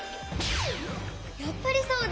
やっぱりそうだ！